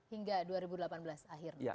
hingga dua ribu delapan belas akhirnya